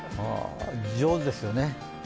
上手ですよね。